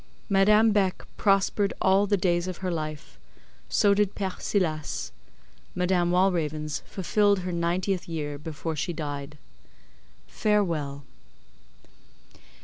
Madame Beck prospered all the days of her life; so did Père Silas; Madame Walravens fulfilled her ninetieth year before she died. Farewell.